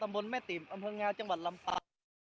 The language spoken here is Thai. ตำบลแม่ติบอำเภงงาจังหวัดลำปา